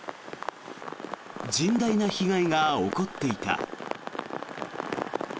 甚大な被害が起こっていた。